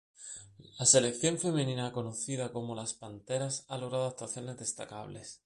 La Selección femenina, conocida como "Las panteras", ha logrado actuaciones destacables.